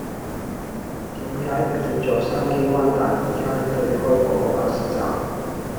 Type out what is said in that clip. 點解唔見左筲箕灣大德街對開嗰個巴士站